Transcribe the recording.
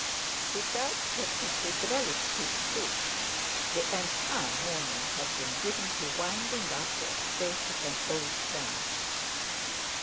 He felt that he should relish his soup—the entire morning had been given to winding up the estate of an old friend.